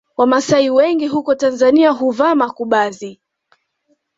Wamasai wengi huko Tanzania huvaa makubazi